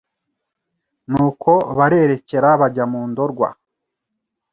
nuko barerekera bajya mu Ndorwa.